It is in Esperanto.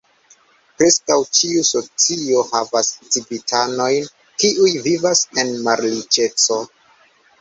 Preskaŭ ĉiu socio havas civitanojn kiuj vivas en malriĉeco.